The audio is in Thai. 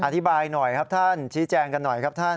อธิบายหน่อยครับท่านชี้แจงกันหน่อยครับท่าน